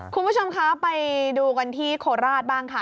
คุณผู้ชมคะไปดูกันที่โคราชบ้างค่ะ